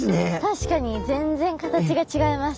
確かに全然形が違います！